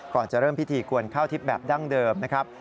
ก่อนจะเริ่มพิธีกวนข้าวทิพย์แบบดั้งเดิมนะครับ